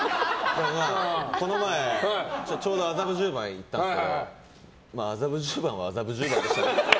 この前、ちょうど麻布十番行ったんですけど麻布十番は麻布十番だなって。